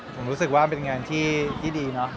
ผมรู้สึกว่าเป็นงานที่ดีเนาะ